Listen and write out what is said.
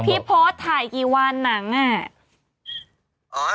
พี่โพสถ่ายกี่วันนังน่ะ